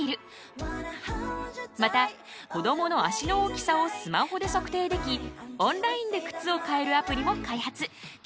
また子どもの足の大きさをスマホで測定できオンラインで靴を買えるアプリも開発。